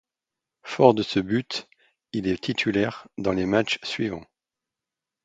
Fort de ce but, il est titulaire dans les matchs suivants.